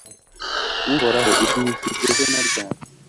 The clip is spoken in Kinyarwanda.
uhoraho, uzihisha ugeze na ryari